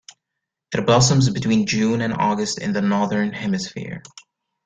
It blossoms between June and August in the Northern Hemisphere.